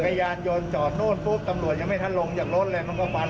ไล่ฟันตรงนี้เสร็จตำรวจวิ่งหนีไปนู่นกลางถนนมันก็ไล่ฟัน